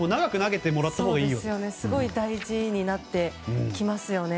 すごい大事になってきますよね。